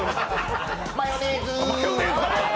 マヨネーズ！